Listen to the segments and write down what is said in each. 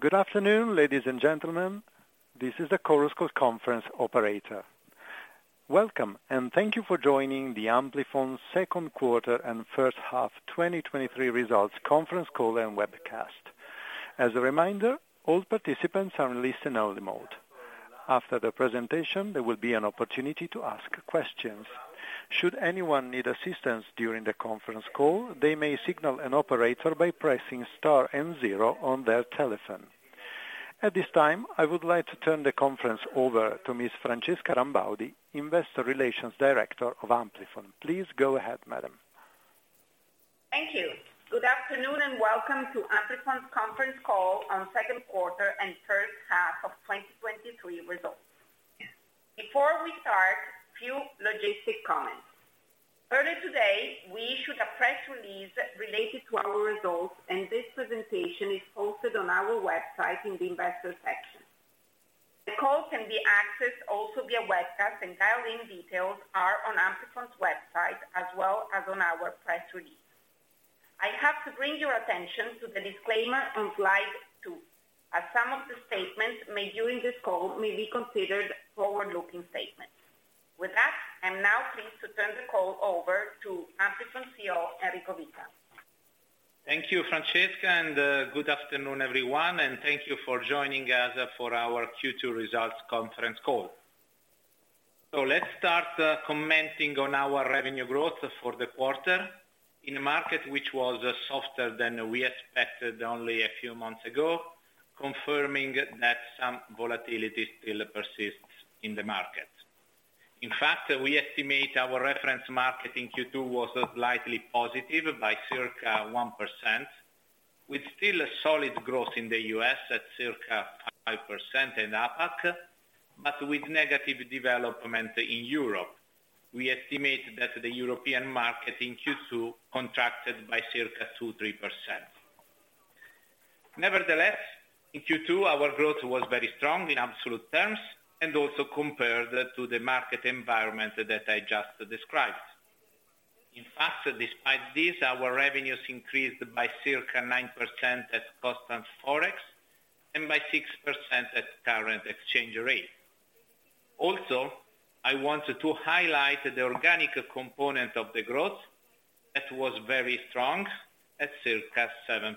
Good afternoon, ladies and gentlemen. This is the Chorus Call conference operator. Welcome, and thank you for joining the Amplifon second quarter and first half 2023 results conference call and webcast. As a reminder, all participants are in listen-only mode. After the presentation, there will be an opportunity to ask questions. Should anyone need assistance during the conference call, they may signal an operator by pressing star and zero on their telephone. At this time, I would like to turn the conference over to Ms. Francesca Rambaudi, Investor Relations Director of Amplifon. Please go ahead, madam. Thank you. Good afternoon, welcome to Amplifon's conference call on second quarter and first half of 2023 results. Before we start, few logistic comments. Earlier today, we issued a press release related to our results, and this presentation is hosted on our website in the investor section. The call can be accessed also via webcast, and dial-in details are on Amplifon's website as well as on our press release. I have to bring your attention to the disclaimer on slide two, as some of the statements made during this call may be considered forward-looking statements. With that, I'm now pleased to turn the call over to Amplifon CEO, Enrico Vita. Thank you, Francesca, good afternoon, everyone, and thank you for joining us for our Q2 results conference call. Let's start commenting on our revenue growth for the quarter in a market which was softer than we expected only a few months ago, confirming that some volatility still persists in the market. In fact, we estimate our reference market in Q2 was slightly positive by circa 1%, with still a solid growth in the US at circa 5% in APAC, but with negative development in Europe. We estimate that the European market in Q2 contracted by circa 2%-3%. Nevertheless, in Q2, our growth was very strong in absolute terms and also compared to the market environment that I just described. In fact, despite this, our revenues increased by circa 9% at constant Forex and by 6% at current exchange rate. I wanted to highlight the organic component of the growth that was very strong at circa 7%.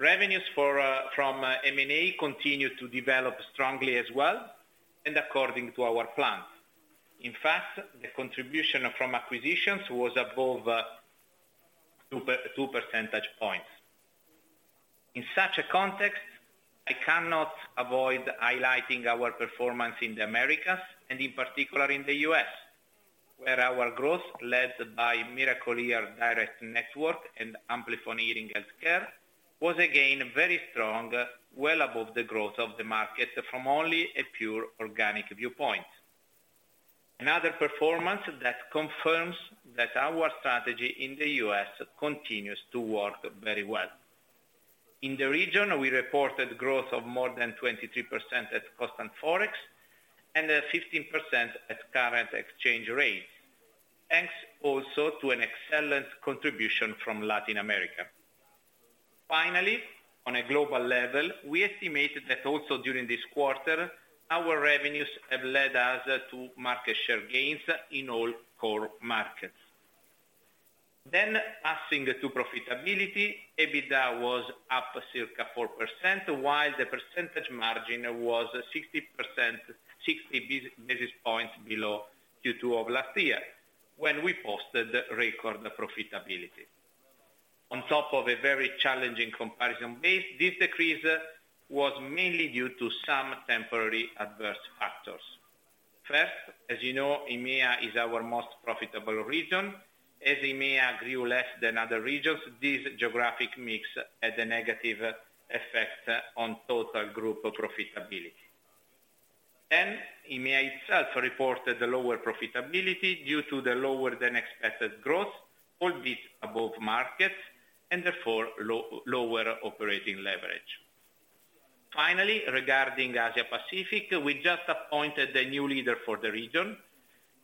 Revenues for from M&A continued to develop strongly as well, according to our plans. In fact, the contribution from acquisitions was above two percentage points. In such a context, I cannot avoid highlighting our performance in the Americas, and in particular in the US, where our growth, led by Miracle-Ear direct network and Amplifon Hearing Health Care, was again very strong, well above the growth of the market from only a pure organic viewpoint. Another performance that confirms that our strategy in the US continues to work very well. In the region, we reported growth of more than 23% at constant ForEx and 15% at current exchange rates, thanks also to an excellent contribution from Latin America. Finally, on a global level, we estimate that also during this quarter, our revenues have led us to market share gains in all core markets. Passing to profitability, EBITDA was up circa 4%, while the percentage margin was 60%, 60 basis points below Q2 of last year, when we posted record profitability. On top of a very challenging comparison base, this decrease was mainly due to some temporary adverse factors. First, as you know, EMEA is our most profitable region. As EMEA grew less than other regions, this geographic mix had a negative effect on total group profitability. EMEA itself reported a lower profitability due to the lower-than-expected growth, all this above markets, and therefore lower operating leverage. Finally, regarding Asia Pacific, we just appointed a new leader for the region,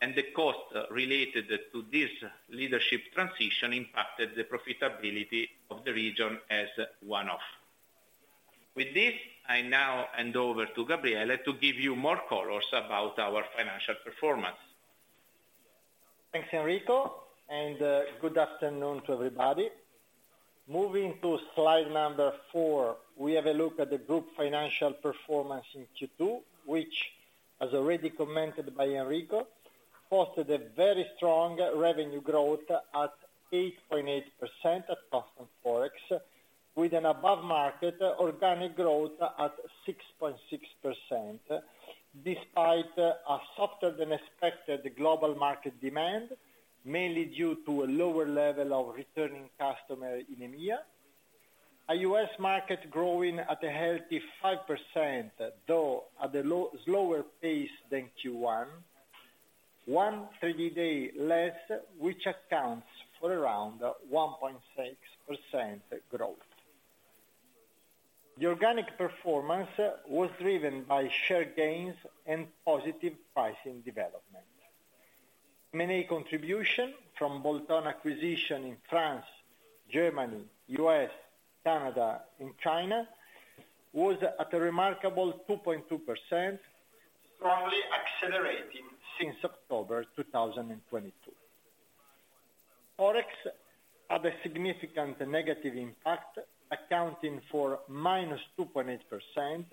and the cost related to this leadership transition impacted the profitability of the region as one-off. With this, I now hand over to Gabriele to give you more colors about our financial performance. Thanks, Enrico, and good afternoon to everybody. Moving to slide number 4, we have a look at the group financial performance in Q2, which, as already commented by Enrico, posted a very strong revenue growth at 8.8% at constant Forex, with an above-market organic growth at 6.6%, despite a softer-than-expected global market demand, mainly due to a lower level of returning customer in EMEA. A US market growing at a healthy 5%, though at a slower pace than Q1, 130 days less, which accounts for around 1.6% growth. The organic performance was driven by share gains and positive pricing development. M&A contribution from bolt-on acquisition in France, Germany, US, Canada, and China was at a remarkable 2.2%, strongly accelerating since October 2022. Forex had a significant negative impact, accounting for -2.8%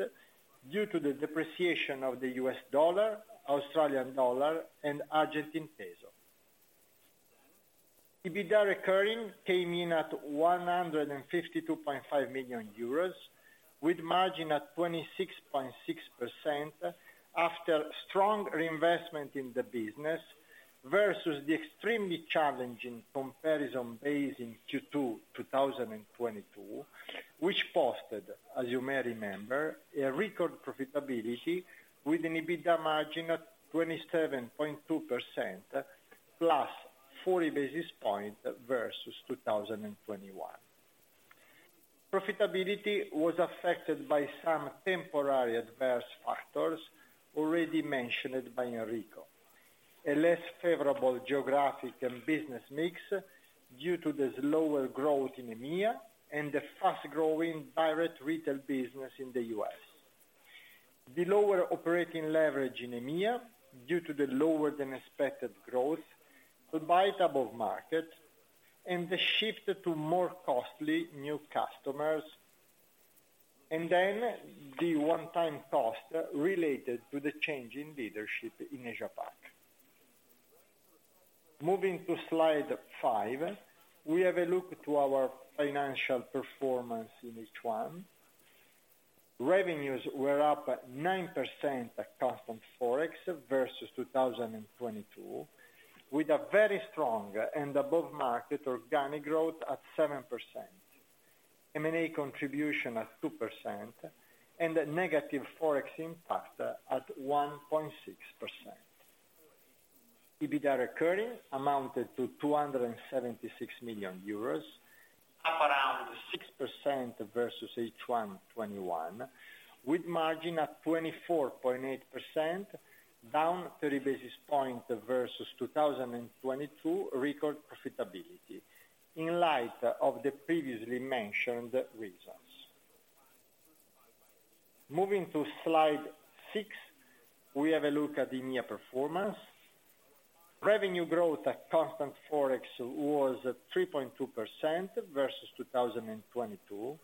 due to the depreciation of the US dollar, Australian dollar, and Argentine peso. EBITDA recurring came in at 152.5 million euros, with margin at 26.6% after strong reinvestment in the business, versus the extremely challenging comparison base in Q2 2022, which posted, as you may remember, a record profitability with an EBITDA margin of 27.2%, plus 40 basis points versus 2021. Profitability was affected by some temporary adverse factors already mentioned by Enrico. A less favorable geographic and business mix due to the slower growth in EMEA and the fast-growing direct retail business in the US. The lower operating leverage in EMEA, due to the lower than expected growth, could buy above market and the shift to more costly new customers, the one-time cost related to the change in leadership in Asia Pac. Moving to slide 5, we have a look to our financial performance in H1. Revenues were up at 9% at constant Forex versus 2022, with a very strong and above market organic growth at 7%, M&A contribution at 2%, a negative Forex impact at 1.6%. EBITDA recurring amounted to 276 million euros, up around 6% versus H1 2021, with margin at 24.8%, down 30 basis points versus 2022 record profitability, in light of the previously mentioned reasons. Moving to slide 6, we have a look at the EMEA performance. Revenue growth at constant Forex was at 3.2% versus 2022,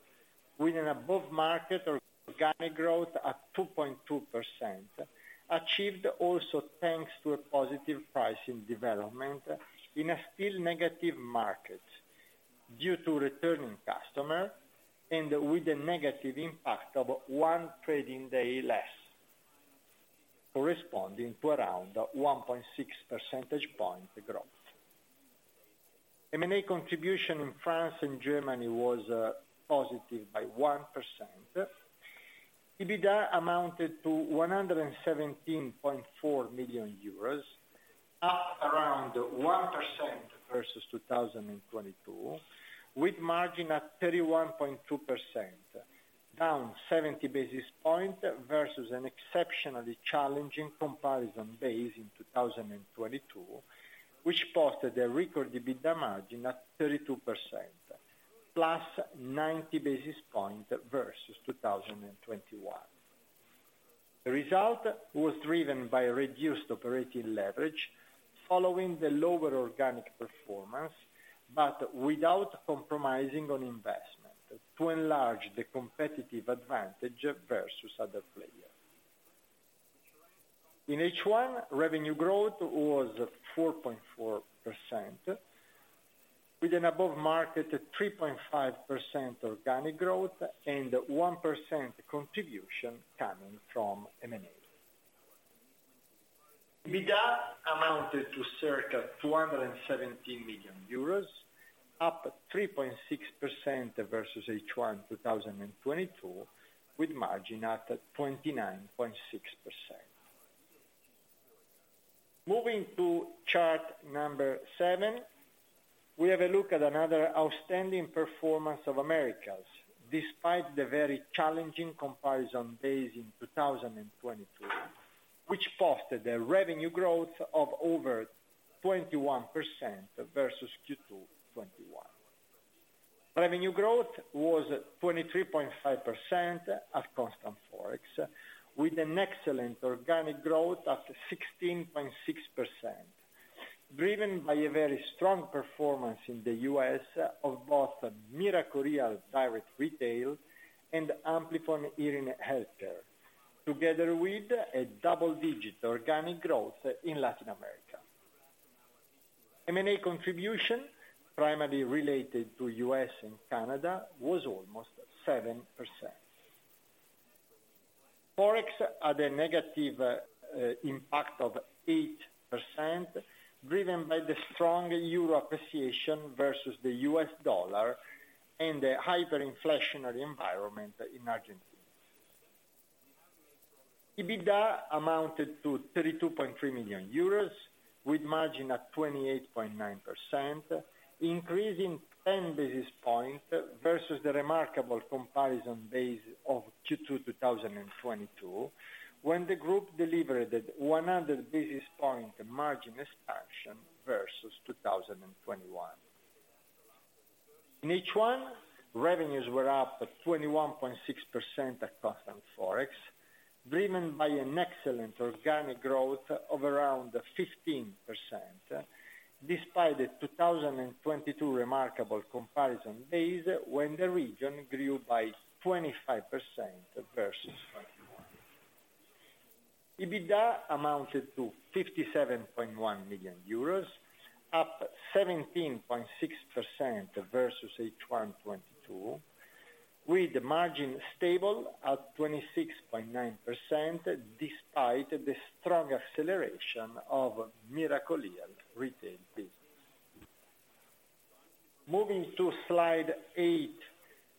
with an above market organic growth at 2.2%, achieved also thanks to a positive pricing development in a still negative market due to returning customer and with a negative impact of one trading day less, corresponding to around 1.6 percentage point growth. M&A contribution in France and Germany was positive by 1%. EBITDA amounted to 117.4 million euros, up around 1% versus 2022, with margin at 31.2%, down 70 basis points versus an exceptionally challenging comparison base in 2022, which posted a record EBITDA margin at 32%, +90 basis points versus 2021. The result was driven by reduced operating leverage following the lower organic performance, but without compromising on investment to enlarge the competitive advantage versus other players. In H1, revenue growth was 4.4%, with an above market at 3.5% organic growth and 1% contribution coming from M&A. EBITDA amounted to circa 217 million euros, up at 3.6% versus H1 2022, with margin at 29.6%. Moving to chart number 7, we have a look at another outstanding performance of Americas, despite the very challenging comparison base in 2022, which fostered a revenue growth of over 21% versus Q2 2021. Revenue growth was 23.5% at constant Forex, with an excellent organic growth of 16.6%, driven by a very strong performance in the US of both Miracle-Ear direct retail and Amplifon Hearing Health Care, together with a double-digit organic growth in Latin America. M&A contribution, primarily related to US and Canada, was almost 7%. Forex had a negative impact of 8%, driven by the strong euro appreciation versus the US dollar and the hyperinflationary environment in Argentina. EBITDA amounted to 32.3 million euros, with margin at 28.9%, increasing 10 basis points versus the remarkable comparison base of Q2 2022, when the group delivered 100 basis point margin expansion versus 2021. In H1, revenues were up at 21.6% at constant Forex, driven by an excellent organic growth of around 15%, despite the 2022 remarkable comparison days, when the region grew by 25% versus 2021. EBITDA amounted to 57.1 million euros, up 17.6% versus H1 2022, with the margin stable at 26.9%, despite the strong acceleration of Miracle-Ear retail business. Moving to slide 8,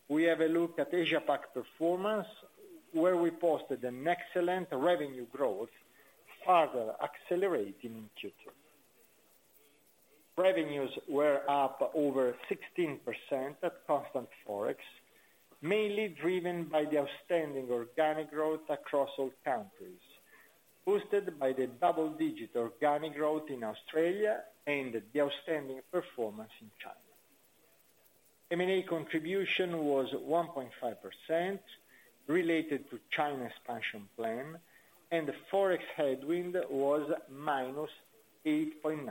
we have a look at Asia Pac performance, where we posted an excellent revenue growth, further accelerating in Q2. Revenues were up over 16% at constant Forex, mainly driven by the outstanding organic growth across all countries, boosted by the double digit organic growth in Australia and the outstanding performance in China. M&A contribution was 1.5%, related to China expansion plan, and the Forex headwind was minus 8.9%.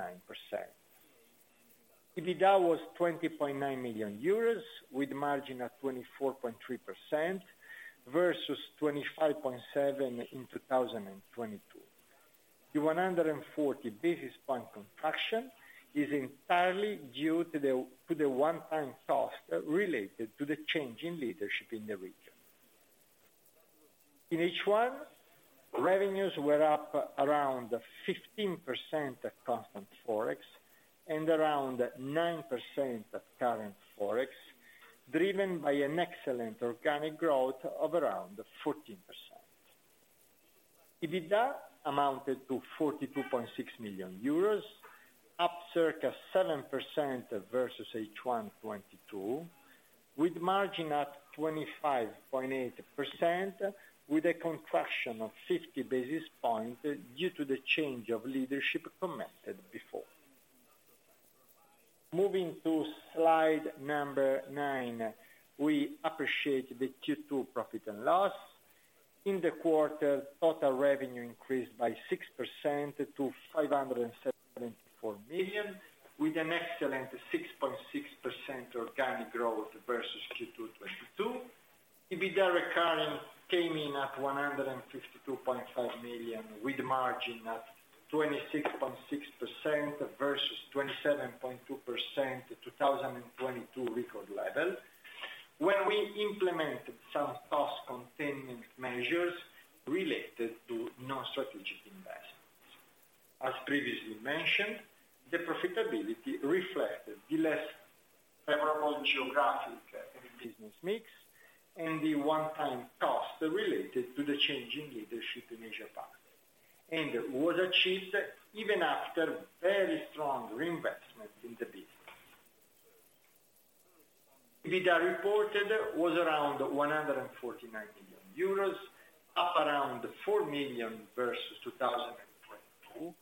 EBITDA was 20.9 million euros, with margin at 24.3% versus 25.7% in 2022. The 140 basis point contraction is entirely due to the one time cost related to the change in leadership in the region. In H1, revenues were up around 15% at constant Forex and around 9% at current Forex, driven by an excellent organic growth of around 14%. EBITDA amounted to 42.6 million euros, up circa 7% versus H1 2022, with margin at 25.8%, with a contraction of 50 basis points due to the change of leadership commented before. Moving to slide number 9, we appreciate the Q2 profit and loss. In the quarter, total revenue increased by 6% to 574 million, with an excellent 6.6% organic growth versus Q2 2022. EBITDA recurring came in at 152.5 million, with margin at 26.6% versus 27.2%, 2022 record level, when we implemented some cost containment measures related to non-strategic investments. As previously mentioned, the profitability reflected the less favorable geographic and business mix, and the one-time cost related to the change in leadership in Asia Pac, and was achieved even after very strong reinvestment in the business. EBITDA reported was around 149 million euros, up around 4 million versus 2022,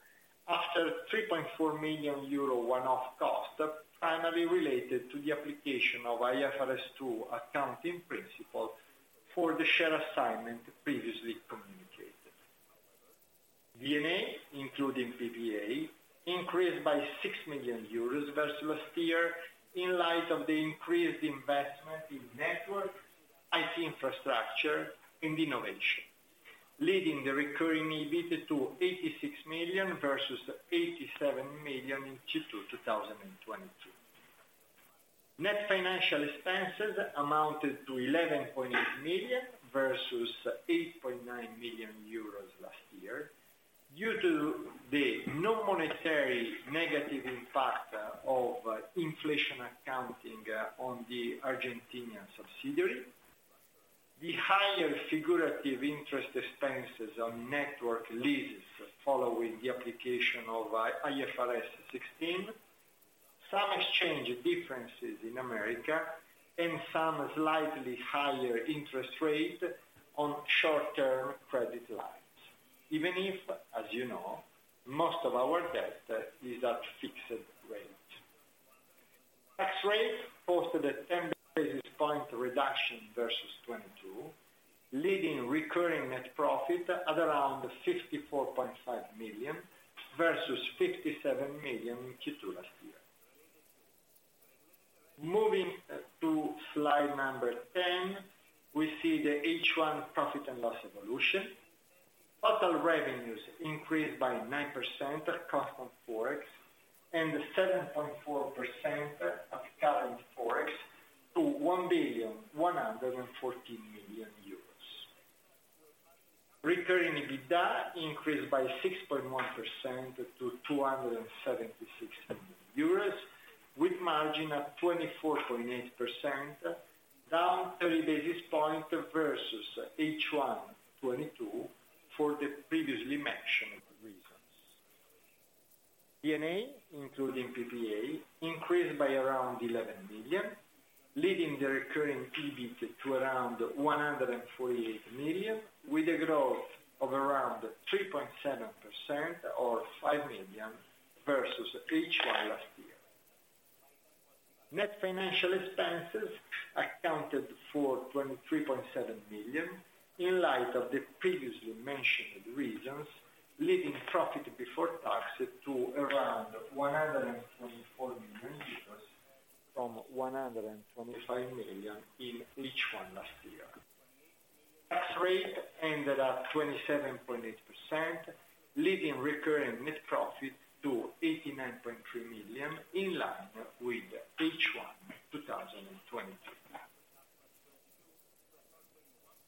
after 3.4 million euro one-off cost, primarily related to the application of IFRS 2 accounting principle for the share assignment previously communicated. D&A, including PPA, increased by 6 million euros versus last year, in light of the increased investment in network, IT infrastructure, and innovation, leading the recurring EBIT to 86 million versus 87 million in Q2 2022. Net financial expenses amounted to 11.8 million versus 8.9 million euros last year, due to the non-monetary negative impact of inflation accounting on the Argentine subsidiary. The higher figurative interest expenses on network leases following the application of IFRS 16, some exchange differences in America, and some slightly higher interest rate on short-term credit lines, even if, as you know, most of our debt is at fixed rate. Tax rate posted a 10 basis point reduction versus 22, leading recurring net profit at around 54.5 million, versus 57 million in Q2 last year. Moving to slide number 10, we see the H1 profit and loss evolution. Total revenues increased by 9% at constant Forex and 7.4% of current Forex to EUR 1,114 million. Recurring EBITDA increased by 6.1% to 276 million euros, with margin at 24.8%, down 30 basis points versus H1 2022 for the previously mentioned reasons. D&A, including PPA, increased by around 11 million, leading the recurring EBIT to around 148 million, with a growth of around 3.7% or 5 million versus H1 last year. Net financial expenses accounted for 23.7 billion, in light of the previously mentioned reasons, leading profit before tax to around 124 million euros, from 125 million in H1 last year. Tax rate ended at 27.8%, leading recurring net profit to 89.3 million, in line with H1 2022.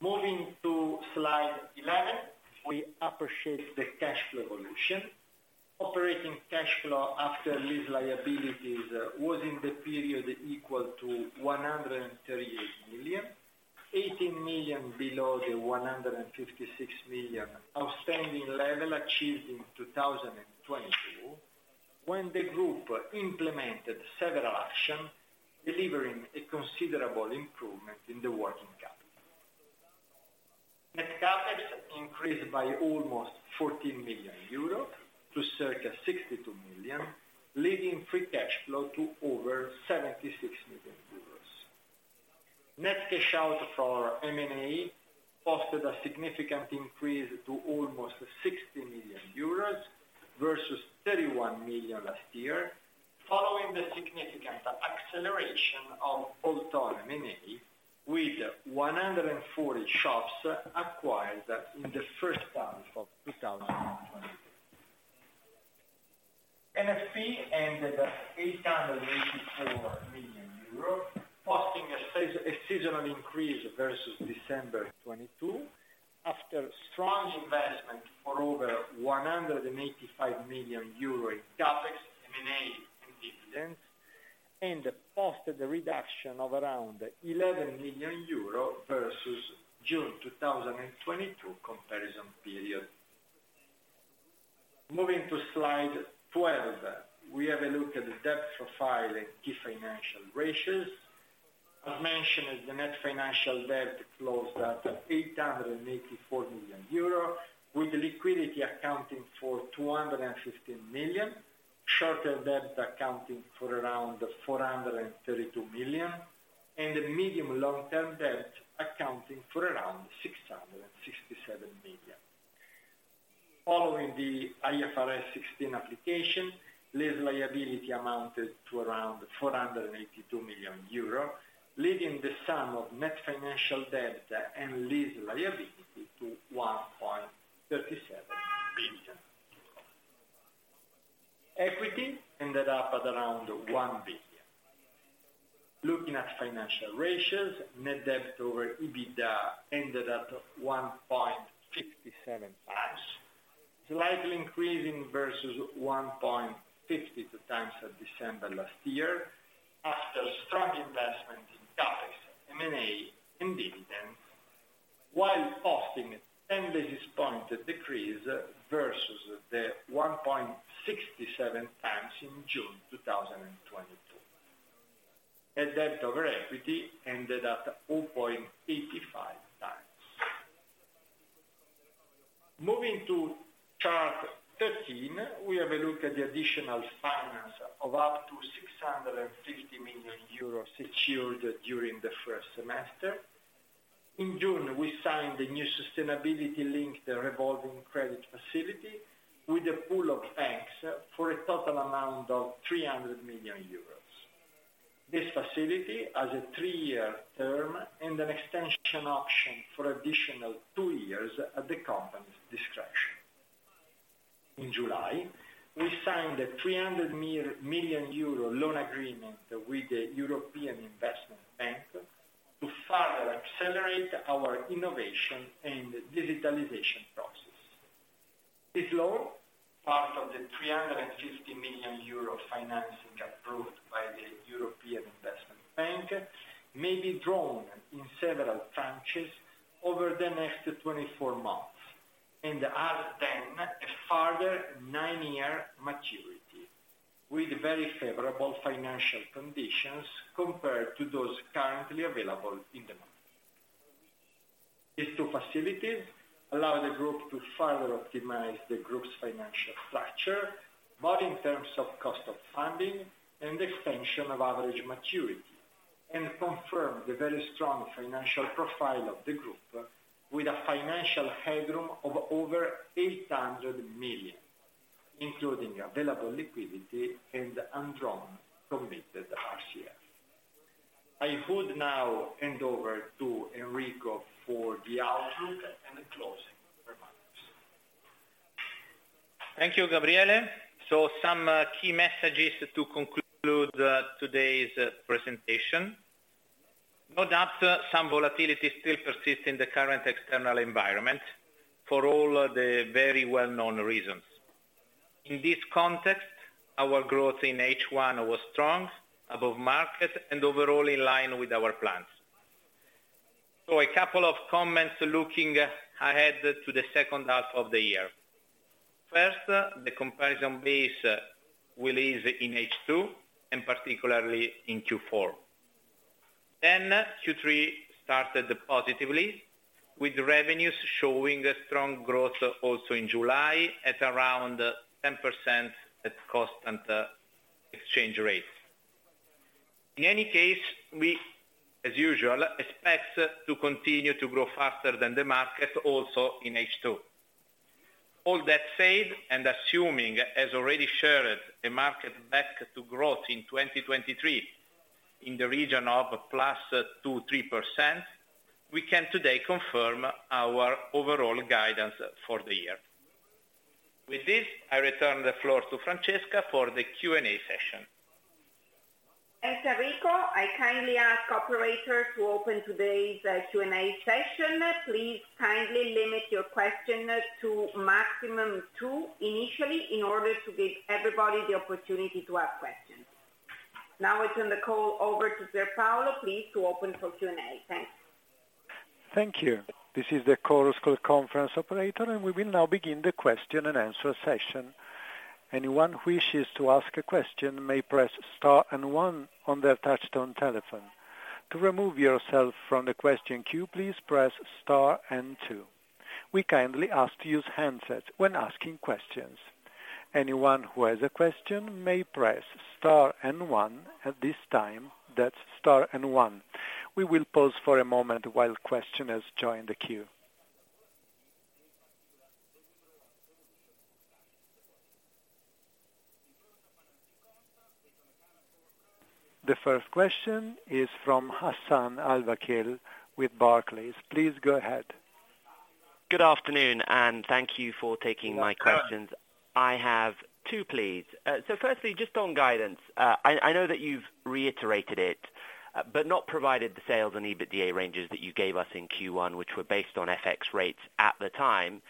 Moving to slide 11, we appreciate the cash flow evolution. Operating cash flow after lease liabilities was in the period equal to 138 million, 18 million below the 156 million outstanding level achieved in 2022, when the group implemented several action, delivering a considerable improvement in the working capital. Net CapEx increased by almost 14 million euro to circa 62 million, leading free cash flow to over 76 million euros. Net cash out from our M&A posted a significant increase to almost 60 million euros versus 31 million last year, following the significant acceleration with 140 shops acquired in the first half of 2022. NFP ended at 884 million euros, posting a seasonal increase versus December 2022, after strong investment for over 185 million euro in CapEx, M&A, and dividends, and posted a reduction of around 11 million euro versus June 2022 comparison period. Moving to slide 12, we have a look at the debt profile and key financial ratios. As mentioned, the net financial debt closed at 884 million euro, with liquidity accounting for 215 million, short-term debt accounting for around 432 million, and the medium long-term debt accounting for around 667 million. Following the IFRS 16 application, lease liability amounted to around 482 million euro, leading the sum of net financial debt and lease liability to EUR 1.37 billion. Equity ended up at around 1 billion. Looking at financial ratios, net debt over EBITDA ended at 1.57 times, slightly increasing versus 1.52 times at December last year, after strong investment in CapEx, M&A, and dividends, while posting 10 basis point decrease versus the 1.67 times in June 2022. Debt over equity ended at 4.85 times. Moving to chart 13, we have a look at the additional finance of up to 650 million euros secured during the first semester. In June, we signed the new sustainability-linked revolving credit facility with a pool of banks for a total amount of 300 million euros. This facility has a 3-year term and an extension option for additional two years at the company's discretion. In July, we signed a 300 million euro loan agreement with the European Investment Bank to further accelerate our innovation and digitalization process. This loan, part of the 350 million euro financing approved by the European Investment Bank, may be drawn in several tranches over the next 24 months, and have then a further 9-year maturity, with very favorable financial conditions compared to those currently available in the market. These two facilities allow the group to further optimize the group's financial structure, both in terms of cost of funding and extension of average maturity, and confirm the very strong financial profile of the group with a financial headroom of over 800 million, including available liquidity and undrawn committed RCF. I would now hand over to Enrico for the outlook and the closing remarks. Thank you, Gabriele. Some key messages to conclude today's presentation. No doubt, some volatility still persists in the current external environment for all the very well-known reasons. In this context, our growth in H1 was strong, above market, and overall in line with our plans. A couple of comments looking ahead to the second half of the year. First, the comparison base will ease in H2, and particularly in Q4. Q3 started positively, with revenues showing a strong growth also in July, at around 10% at constant exchange rates. In any case, we, as usual, expect to continue to grow faster than the market also in H2. All that said, and assuming, as already shared, a market back to growth in 2023, in the region of +2-3%, we can today confirm our overall guidance for the year. With this, I return the floor to Francesca for the Q&A session. Thanks, Enrico. I kindly ask operator to open today's Q&A session. Please kindly limit your question to maximum two initially, in order to give everybody the opportunity to ask questions. Now I turn the call over to Pierpaolo, please, to open for Q&A. Thanks. Thank you. This is the Chorus Call conference operator. We will now begin the question-and-answer session. Anyone who wishes to ask a question may press star and one on their touchtone telephone. To remove yourself from the question queue, please press star and two. We kindly ask to use handsets when asking questions. Anyone who has a question may press star and one. At this time, that's star and one. We will pause for a moment while questioners join the queue. The first question is from Hassan Al-Wakeel with Barclays. Please go ahead. Good afternoon, and thank you for taking my questions. Good afternoon. I have two, please. firstly, just on guidance, I, I know that you've reiterated it, but not provided the sales and EBITDA ranges that you gave us in Q1, which were based on FX rates at the time.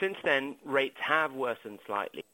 Since then, rates have worsened slightly.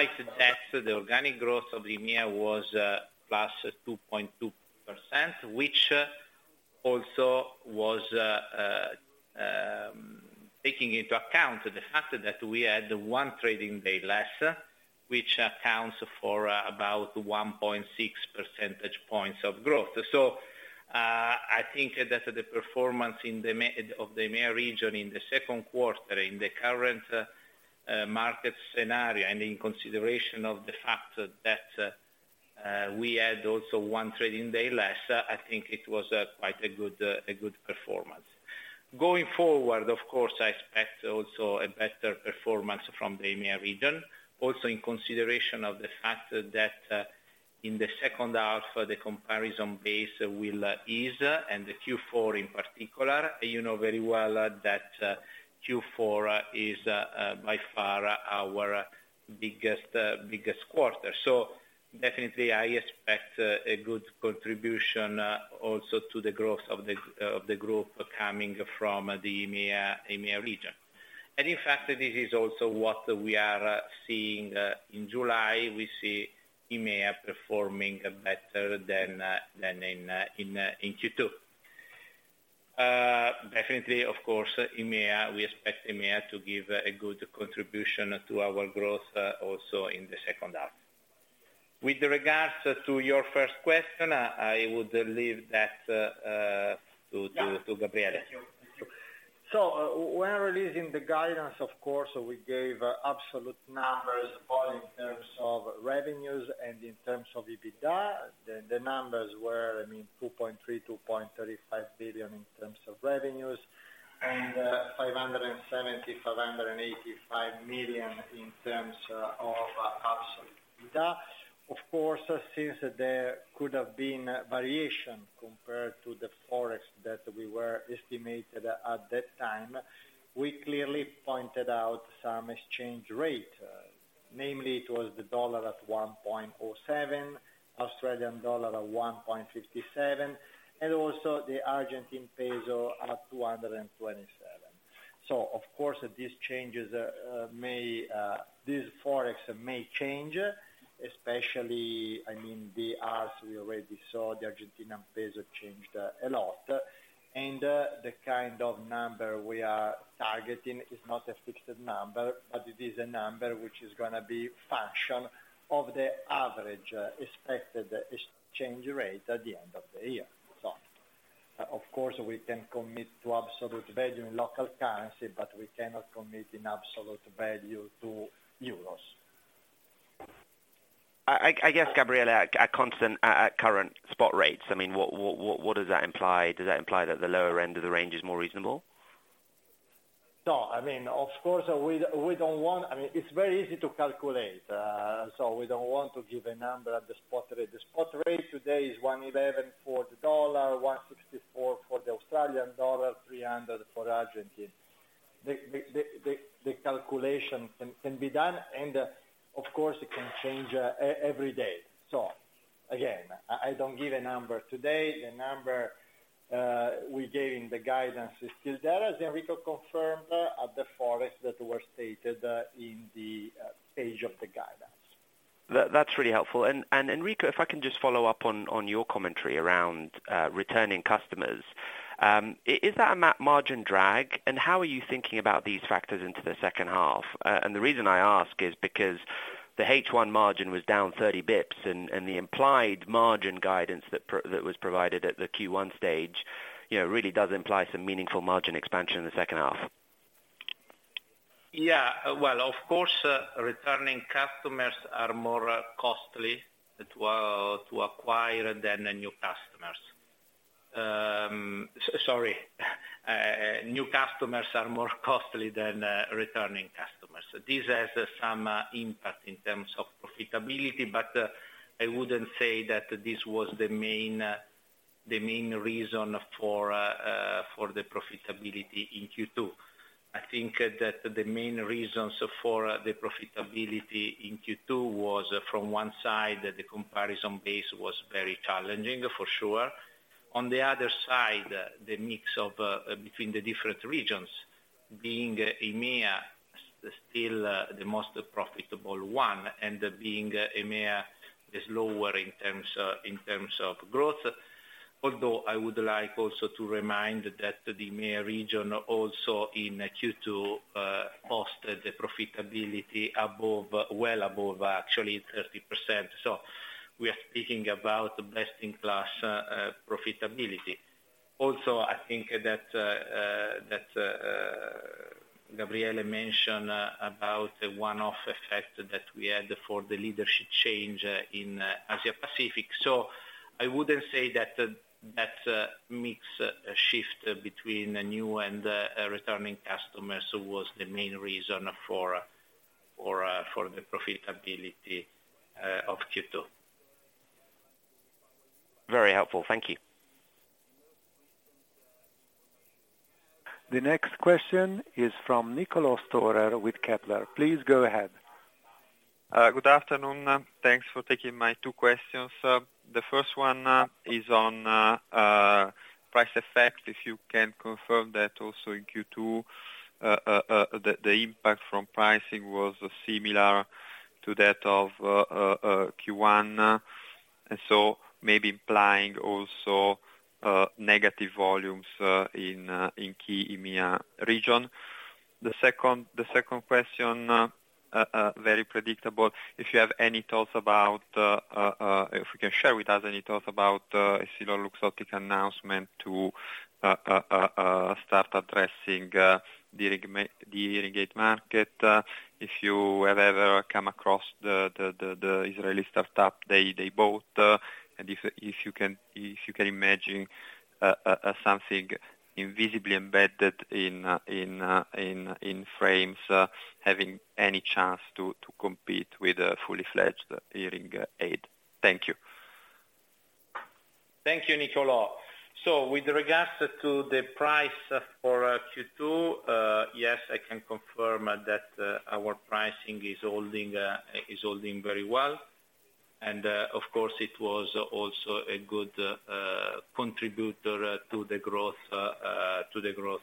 We started 2023 winter in a stronger position, but the situation remained volatile, and we will need to up the party on strengthening the energy system for the long term. The Europe and Italian policies continue to support our strategies. The REPowerEU response to that further key security of supply, while improving affordability and the EUR 2 million for the recognition of the green gases. Despite that, the organic growth of the EMEA was +2.2%, which also was taking into account the fact that we had one trading day less, which accounts for about 1.6 percentage points of growth. I think that the performance of the EMEA region in the second quarter, in the current market scenario, and in consideration of the fact that we had also one trading day less, I think it was quite a good performance. Going forward, of course, I expect also a better performance from the EMEA region. Also, in consideration of the fact that in the second half, the comparison base will ease, and the Q4 in particular, you know very well that Q4 is by far our biggest quarter. Definitely I expect a good contribution also to the growth of the group coming from the EMEA region. In fact, this is also what we are seeing in July. We see EMEA performing better than in Q2. Definitely, of course, EMEA, we expect EMEA to give a good contribution to our growth also in the second half. With regards to your first question, I would leave that to Gabriele. Yeah. Thank you. When releasing the guidance, of course, we gave absolute numbers, both in terms of revenues and in terms of EBITDA. The numbers were, I mean, 2.3 billion-2.35 billion in terms of revenues, and 570 million-585 million in terms of absolute EBITDA. Of course, since there could have been variation compared to the Forex that we were estimated at that time, we clearly pointed out some exchange rate, namely it was the dollar at $1.07, Australian dollar at 1.57, and also the Argentine peso at 227. Of course, these changes, may, this Forex may change, especially, I mean, as we already saw, the Argentine peso changed a lot. The kind of number we are targeting is not a fixed number, but it is a number which is gonna be function of the average, expected exchange rate at the end of the year. Of course, we can commit to absolute value in local currency, but we cannot commit in absolute value to EUR. I guess, Gabriele, at constant, at current spot rates, I mean, what does that imply? Does that imply that the lower end of the range is more reasonable? No, I mean, of course, we don't want. I mean, it's very easy to calculate, so we don't want to give a number at the spot rate. The spot rate today is $1.11 for the dollar, 1.64 for the Australian dollar, 300 for Argentine. The calculation can be done, and of course, it can change every day. Again, I don't give a number today. The number we gave in the guidance is still there, as Enrico confirmed, at the Forex that were stated in the page of the guidance. That's really helpful. Enrico, if I can just follow up on your commentary around returning customers. Is that a margin drag? How are you thinking about these factors into the second half? The reason I ask is because the H1 margin was down 30 bps, and the implied margin guidance that was provided at the Q1 stage, you know, really does imply some meaningful margin expansion in the second half. Yeah, well, of course, returning customers are more costly to acquire than the new customers. Sorry, new customers are more costly than returning customers. This has some impact in terms of profitability, but I wouldn't say that this was the main reason for the profitability in Q2. I think that the main reasons for the profitability in Q2 was, from one side, that the comparison base was very challenging, for sure. On the other side, the mix of between the different regions, being EMEA still the most profitable one, and being EMEA is lower in terms, in terms of growth. Although, I would like also to remind that the EMEA region also in Q2 posted the profitability above, well above actually 30%. We are speaking about best-in-class profitability. Also, I think that Gabriele mentioned about a one-off effect that we had for the leadership change in Asia Pacific. I wouldn't say that the mix shift between the new and returning customers was the main reason for the profitability of Q2. Very helpful. Thank you. The next question is from Niccolò Storer with Kepler. Please go ahead. Good afternoon. Thanks for taking my two questions. The first one is on price effect. If you can confirm that also in Q2, the impact from pricing was similar to that of Q1. Maybe implying also negative volumes in key EMEA region. The second question, very predictable. If you have any thoughts about, if you can share with us any thoughts about EssilorLuxottica announcement to start addressing the hearing aid market. If you have ever come across the Israeli startup they bought, and if you can imagine something invisibly embedded in frames, having any chance to compete with a fully-fledged hearing aid? Thank you. Thank you, Niccolò. With regards to the price for Q2, yes, I can confirm that our pricing is holding very well. Of course, it was also a good contributor to the growth of the group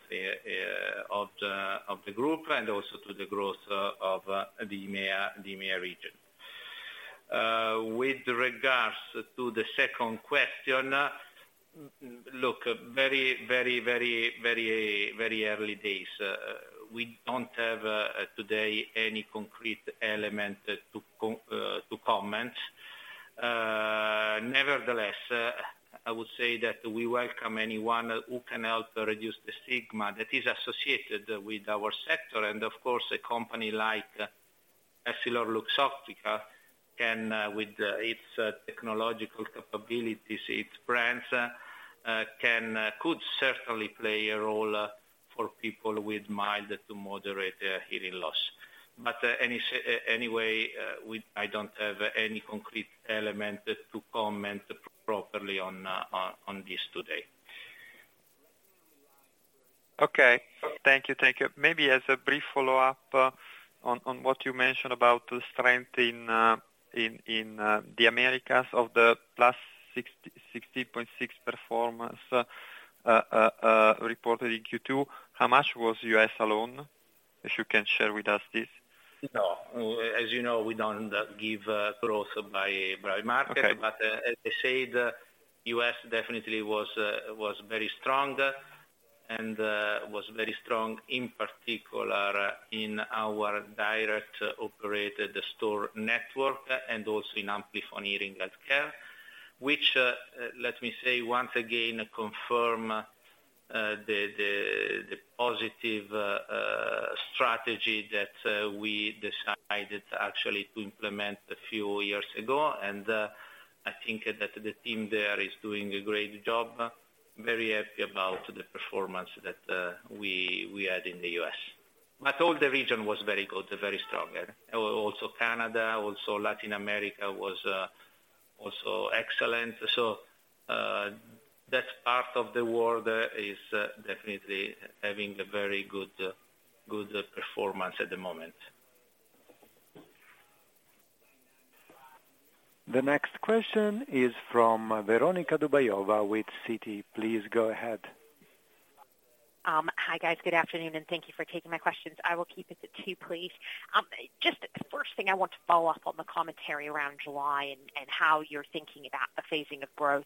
and also to the growth of the EMEA region. With regards to the second question, look, very early days. We don't have today any concrete element to comment. Nevertheless, I would say that we welcome anyone who can help reduce the stigma that is associated with our sector. Of course, a company like EssilorLuxottica, with its technological capabilities, its brands, could certainly play a role for people with mild to moderate hearing loss. Anyway, I don't have any concrete element to comment properly on, on, on this today. Okay. Thank you. Thank you. Maybe as a brief follow-up, on what you mentioned about the strength in the Americas of the +60, 16.6 performance reported in Q2, how much was US alone? If you can share with us this. No. As you know, we don't give growth by market. Okay. As I said, U.S. definitely was very strong, and was very strong, in particular, in our direct operated store network and also in Amplifon Hearing Health Care. Which, let me say once again, confirm the positive strategy that we decided actually to implement a few years ago, and I think that the team there is doing a great job. Very happy about the performance that we had in the U.S. All the region was very good, very strong. Also Canada, also Latin America was also excellent. That part of the world is definitely having a very good performance at the moment. The next question is from Veronika Dubajova with Citi. Please go ahead. Hi, guys. Good afternoon, and thank you for taking my questions. I will keep it to two, please. Just the first thing, I want to follow up on the commentary around July and how you're thinking about the phasing of growth,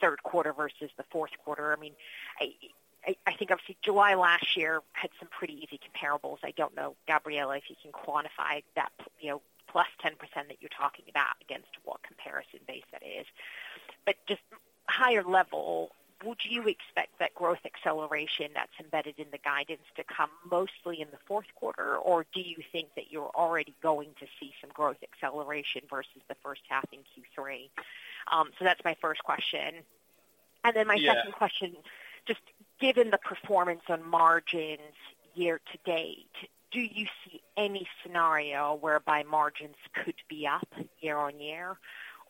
third quarter versus the fourth quarter. I mean, I think obviously July last year had some pretty easy comparables. I don't know, Gabriele Galli, if you can quantify that, you know, +10% that you're talking about against what comparison base that is. Just higher level, would you expect that growth acceleration that's embedded in the guidance to come mostly in the fourth quarter? Do you think that you're already going to see some growth acceleration versus the first half in Q3? That's my first question. Yeah. My second question, just given the performance on margins year-to-date, do you see any scenario whereby margins could be up year-on-year?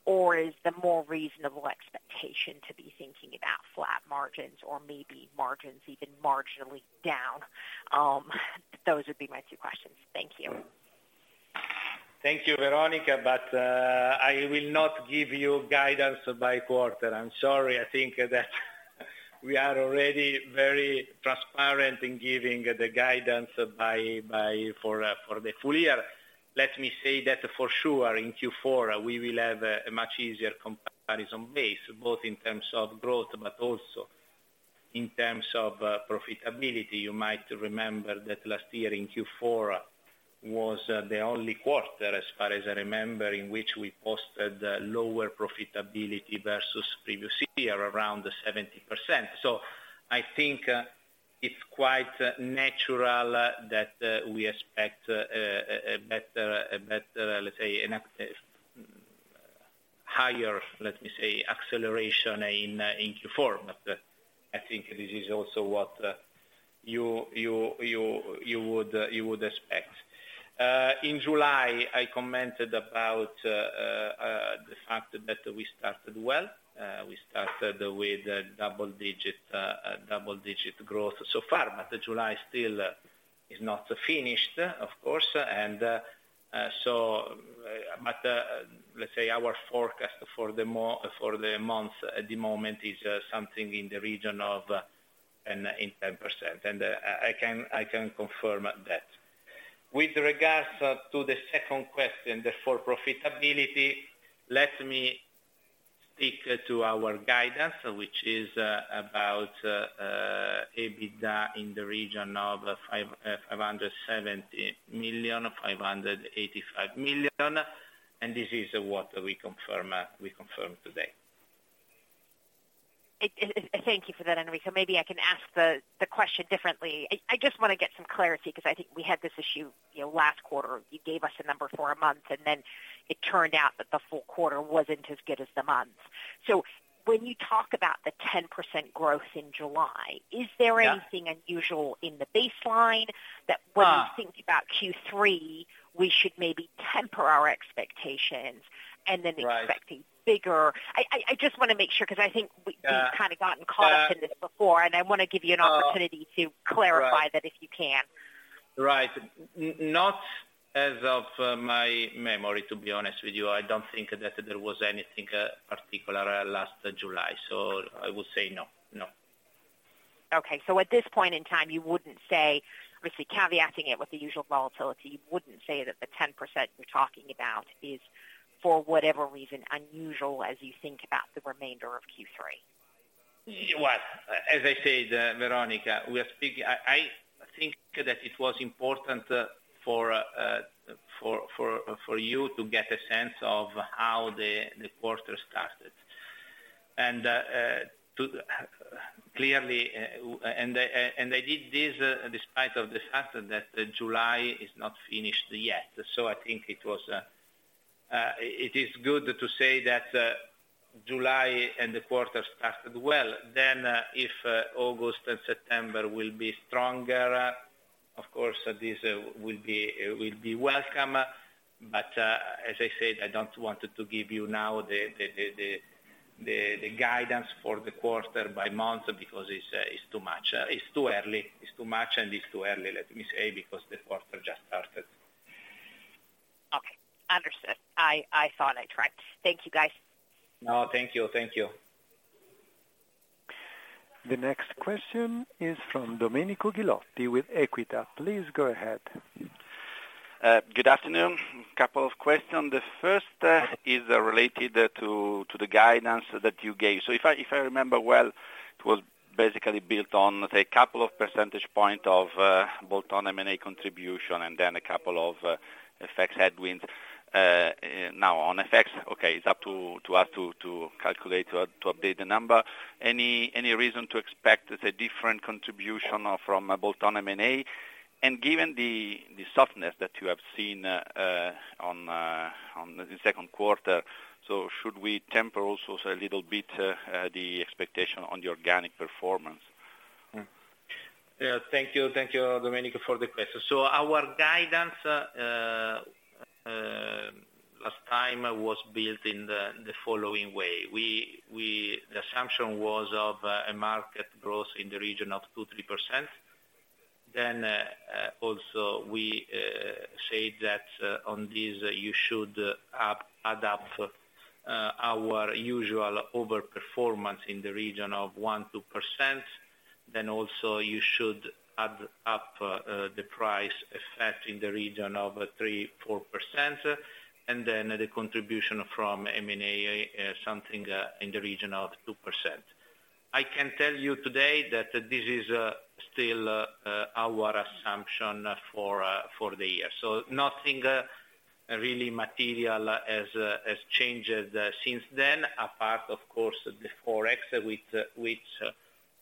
Or is the more reasonable expectation to be thinking about flat margins or maybe margins even marginally down? Those would be my two questions. Thank you. Thank you, Veronica, I will not give you guidance by quarter. I'm sorry. I think that we are already very transparent in giving the guidance by, by, for, for the full year. Let me say that for sure, in Q4, we will have a much easier comparison base, both in terms of growth, but also in terms of profitability. You might remember that last year in Q4 was the only quarter, as far as I remember, in which we posted lower profitability versus previous year, around 70%. I think it's quite natural that we expect a better, let's say, higher, let me say, acceleration in Q4. I think this is also what you would expect. In July, I commented about the fact that we started well. We started with a double digit growth so far, but July still is not finished, of course, let's say our forecast for the month at the moment is something in the region of 10%, I can confirm that. With regards to the second question, profitability, let me stick to our guidance, which is about EBITDA in the region of 570 million, 585 million, this is what we confirm today. Thank you for that, Enrico. Maybe I can ask the question differently. I just want to get some clarity because I think we had this issue, you know, last quarter. You gave us a number for a month, and then it turned out that the full quarter wasn't as good as the month. When you talk about the 10% growth in July. Yeah. is there anything unusual in the baseline, that when you think about Q3, we should maybe temper our expectations and then? Right. expect a bigger... I just want to make sure, because I think. Uh. we've kind of gotten caught up in this before, and I want to give you an opportunity- Uh. to clarify that, if you can. Right. Not as of my memory, to be honest with you. I don't think that there was anything particular last July. I would say no. No. Okay. At this point in time, you wouldn't say, obviously, caveating it with the usual volatility, you wouldn't say that the 10% you're talking about is, for whatever reason, unusual as you think about the remainder of Q3? Well, as I said, Veronica, we are speaking. I think that it was important for you to get a sense of how the quarter started. To clearly, I did this despite of the fact that July is not finished yet. I think it was good to say that July and the quarter started well. If August and September will be stronger, of course, this will be welcome. As I said, I don't want to give you now the guidance for the quarter by month, because it's too much. It's too early. It's too much, and it's too early, let me say, because the quarter just started. Okay. Understood. I thought I tried. Thank you, guys. No, thank you. Thank you. The next question is from Domenico Ghilotti with Equita. Please go ahead. Good afternoon. Couple of questions. The first is related to the guidance that you gave. If I remember well, it was basically built on, say, a couple of percentage point of bolt-on M&A contribution, and then a couple of effects headwinds. On effects, okay, it's up to us to calculate, to update the number. Any reason to expect, let's say, different contribution from a bolt-on M&A? Given the softness that you have seen on the second quarter, should we temper also a little bit the expectation on the organic performance? Yeah, thank you. Thank you, Domenico, for the question. Our guidance last time was built in the following way. The assumption was of a market growth in the region of 2-3%. Also we said that on this, you should add up our usual overperformance in the region of 1-2%. Also, you should add up the price effect in the region of 3-4%, and then the contribution from M&A something in the region of 2%. I can tell you today that this is still our assumption for the year. Nothing really material has changed since then, apart, of course, the Forex,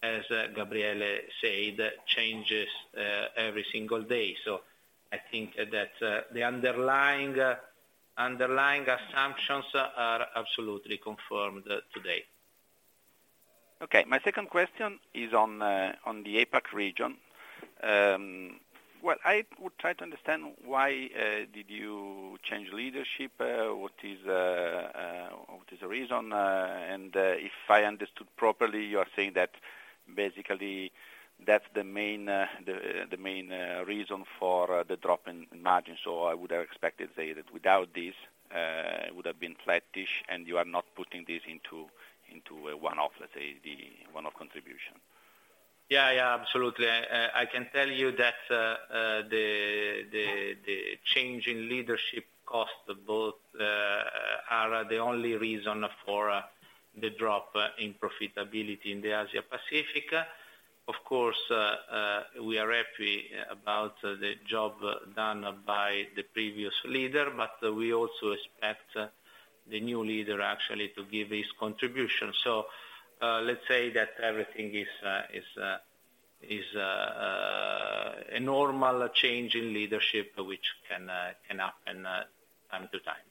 as Gabriele said, changes every single day. I think that the underlying assumptions are absolutely confirmed today. Okay. My second question is on the APAC region. Well, I would try to understand why did you change leadership? What is the reason? And if I understood properly, you are saying that basically, that's the main reason for the drop in margins. I would have expected, say, that without this, it would have been flattish, and you are not putting this into a one-off, let's say, the one-off contribution. Yeah, yeah, absolutely. I can tell you that the change in leadership cost both are the only reason for the drop in profitability in the Asia Pacific. Of course, we are happy about the job done by the previous leader, but we also expect the new leader actually to give his contribution. Let's say that everything is a normal change in leadership, which can happen time to time.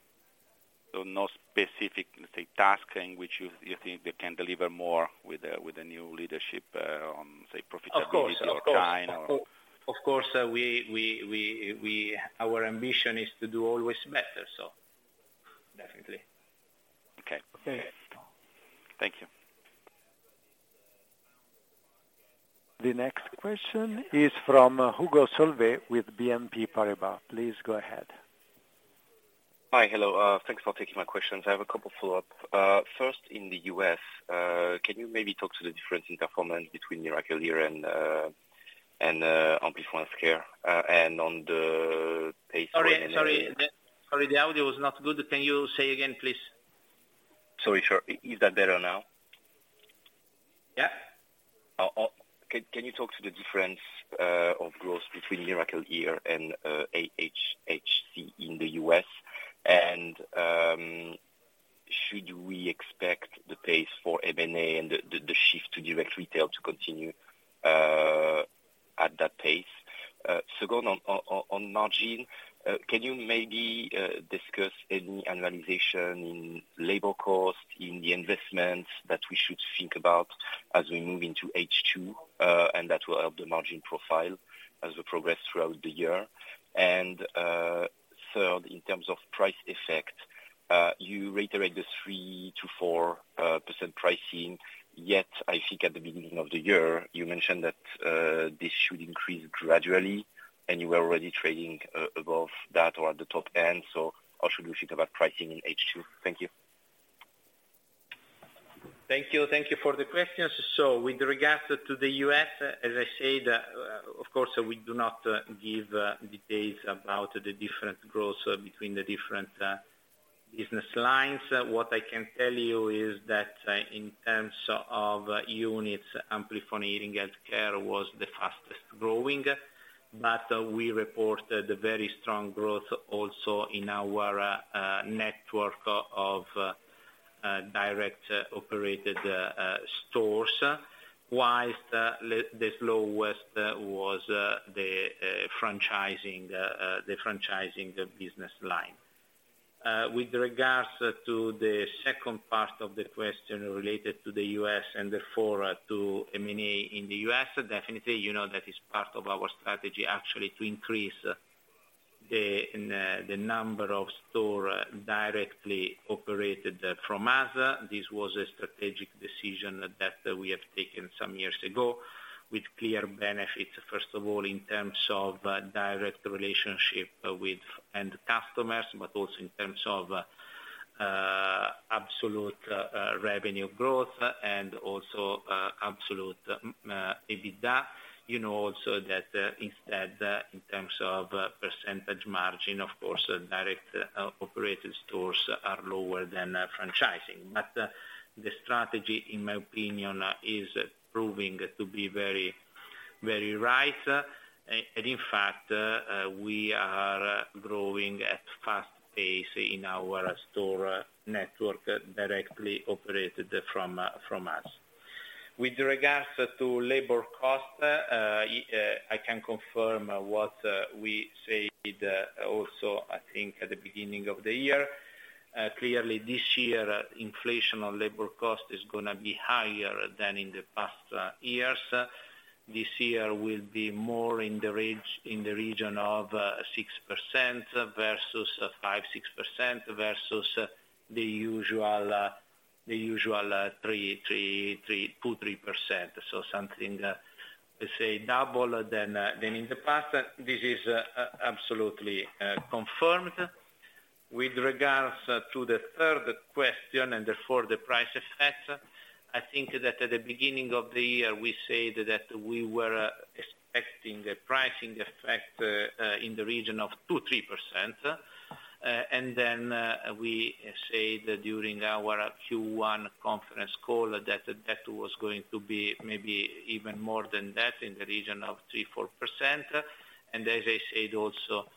no specific, let's say, task in which you, you think they can deliver more with the, with the new leadership, on, say, profitability or time or? Of course, of course. Of course, our ambition is to do always better, definitely. Okay. Thank you. The next question is from Hugo Solvet with BNP Paribas. Please go ahead. Hi. Hello. Thanks for taking my questions. I have a couple follow-up. First, in the US, can you maybe talk to the difference in performance between Miracle-Ear and Amplifon hearing Health Care, and on the pace. Sorry. Sorry, the audio was not good. Can you say again, please? Sorry, sure. Is that better now? Yeah. Can you talk to the difference of growth between Miracle-Ear and AHHC in the US? Should we expect the pace for M&A and the shift to direct retail to continue at that pace? Second, on margin, can you maybe discuss any annualization in labor cost, in the investments that we should think about as we move into H2, and that will help the margin profile as we progress throughout the year? Third, in terms of price effect, you reiterate the 3%-4% pricing, yet I think at the beginning of the year, you mentioned that this should increase gradually, and you were already trading above that or at the top end. How should we think about pricing in H2? Thank you. Thank you. Thank you for the questions. With regards to the US, as I said, of course, we do not give details about the different growth between the different business lines. What I can tell you is that in terms of units, Amplifon Hearing Health Care was the fastest growing, but we reported a very strong growth also in our network of direct operated stores, whilst the slowest was the franchising business line. With regards to the second part of the question related to the US and therefore, to M&A in the US, definitely, you know, that is part of our strategy actually, to increase the number of store directly operated from us. This was a strategic decision that we have taken some years ago with clear benefits, first of all, in terms of direct relationship with end customers, but also in terms of absolute revenue growth and also absolute EBITDA. You know also that instead in terms of percentage margin, of course, direct operated stores are lower than franchising. The strategy, in my opinion, is proving to be very, very right. In fact, we are growing at fast pace in our store network directly operated from us. With regards to labor cost, I can confirm what we said also, I think at the beginning of the year. Clearly this year, inflation on labor cost is gonna be higher than in the past years. This year will be more in the region of 6% versus 5%-6%, versus the usual 2%-3%. Something, let's say double than in the past. This is absolutely confirmed. With regards to the third question and therefore the price effect, I think that at the beginning of the year, we said that we were expecting a pricing effect in the region of 2%-3%. And then, we said during our Q1 conference call that that was going to be maybe even more than that, in the region of 3%-4%. As I said, also,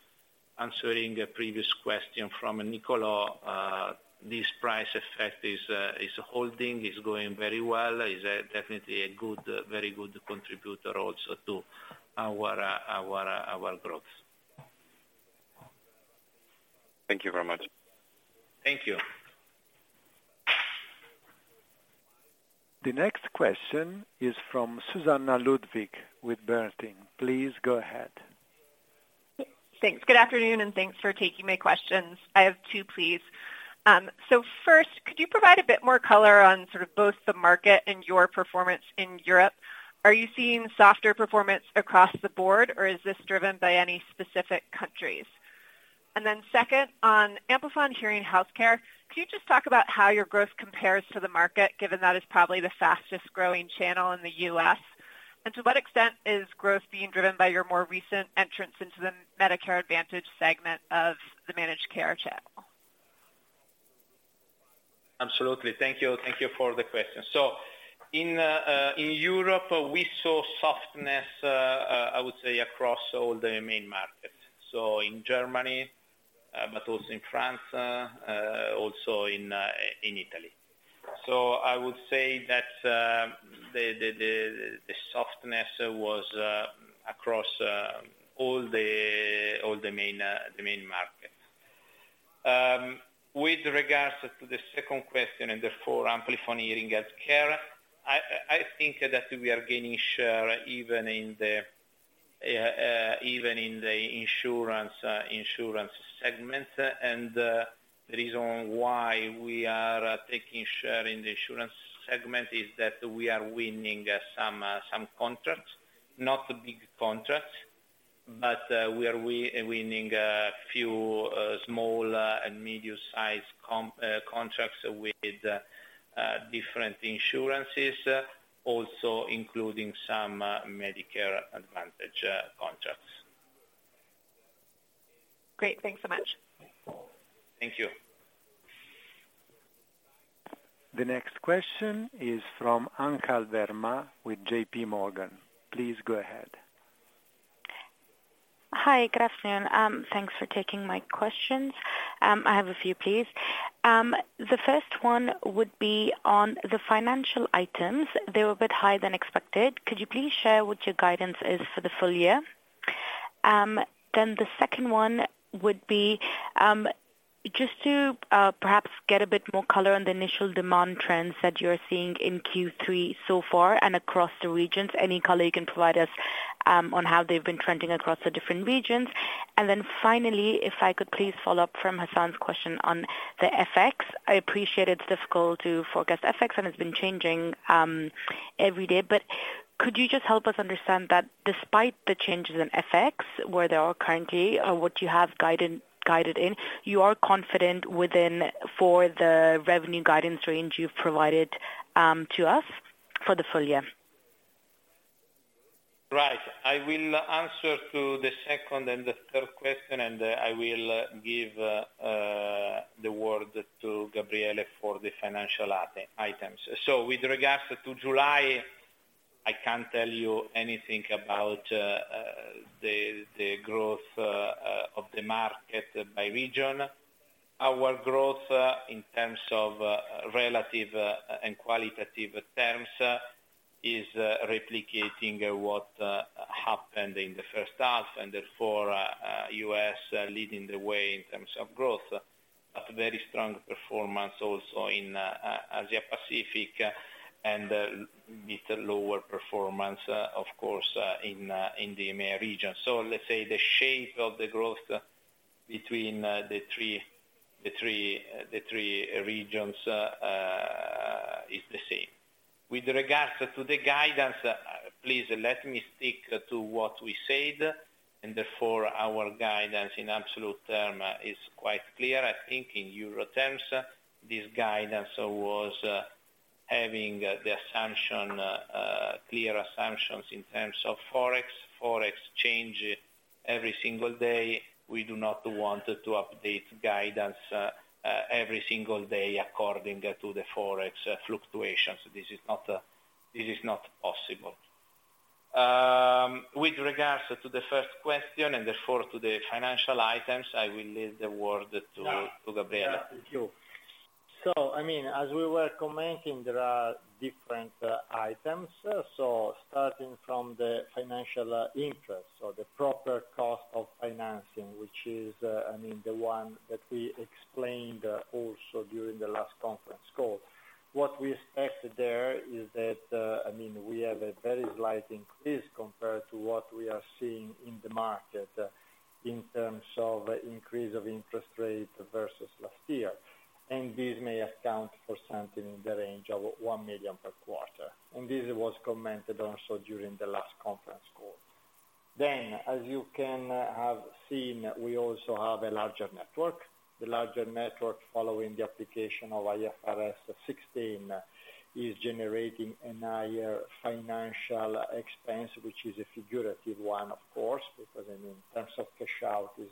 answering a previous question from Niccolò, this price effect is holding, is going very well, is definitely a good, very good contributor also to our growth. Thank you very much. Thank you. The next question is from Susanna Ludwig with Berenberg. Please go ahead. Thanks. Good afternoon, and thanks for taking my questions. I have two, please. First, could you provide a bit more color on sort of both the market and your performance in Europe? Are you seeing softer performance across the board, or is this driven by any specific countries? Second, on Amplifon Hearing Health Care, could you just talk about how your growth compares to the market, given that it's probably the fastest growing channel in the U.S.? To what extent is growth being driven by your more recent entrance into the Medicare Advantage segment of the managed care channel? Absolutely. Thank you. Thank you for the question. In Europe, we saw softness, I would say, across all the main markets. In Germany, but also in France, also in Italy. I would say that the softness was across all the main markets. With regards to the second question and therefore Amplifon Hearing Health Care, I think that we are gaining share even in the insurance segment. The reason why we are taking share in the insurance segment is that we are winning some contracts. Not big contracts, but we are winning a few small and medium-sized contracts with different insurances, also including some Medicare Advantage contracts. Great. Thanks so much. Thank you. The next question is from Anchal Verma with JP Morgan. Please go ahead. Hi, good afternoon. Thanks for taking my questions. I have a few, please. The first one would be on the financial items. They were a bit higher than expected. Could you please share what your guidance is for the full year? The second one would be just to perhaps get a bit more color on the initial demand trends that you're seeing in Q3 so far and across the regions. Any color you can provide us on how they've been trending across the different regions? Finally, if I could please follow up from Hassan's question on the FX. I appreciate it's difficult to forecast FX, and it's been changing every day. Could you just help us understand that despite the changes in FX, where they are currently or what you have guided in, you are confident for the revenue guidance range you've provided to us for the full year? I will answer to the 2nd and the 3rd question, and I will give the word to Gabriele for the financial items. With regards to July, I can't tell you anything about the growth of the market by region. Our growth in terms of relative and qualitative terms is replicating what happened in the 1st half and therefore US leading the way in terms of growth. A very strong performance also in Asia Pacific, and a little lower performance, of course, in the EMEA region. Let's say the shape of the growth between the three regions is the same. With regards to the guidance, please let me stick to what we said, and therefore our guidance in absolute term is quite clear. I think in Euro terms, this guidance was having the assumption clear assumptions in terms of Forex. Forex change every single day, we do not want to update guidance every single day according to the Forex fluctuations. This is not this is not possible. With regards to the first question and therefore to the financial items, I will leave the word to Gabriele. Yeah, thank you. I mean, as we were commenting, there are different items. Starting from the financial interest or the proper cost of financing, which is, I mean, the one that we explained also during the last conference call. What we expect there is that, I mean, we have a very slight increase compared to what we are seeing in the market in terms of increase of interest rate versus last year. This may account for something in the range of 1 million per quarter, and this was commented also during the last conference call. As you can have seen, we also have a larger network. The larger network, following the application of IFRS 16, is generating a higher financial expense, which is a figurative one, of course, because in terms of cash out, is